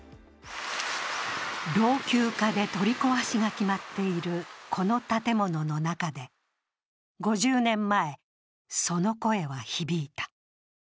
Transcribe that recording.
老朽化で取り壊しが決まっているこの建物の中で５０年前、その声は響いた。